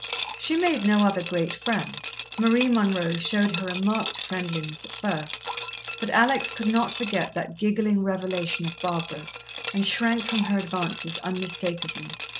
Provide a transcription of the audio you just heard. She made no other great friends. Marie Munroe showed her a marked friendliness at first, but Alex could not forget that giggling revelation of Barbara's, and shrank from her advances unmistakably.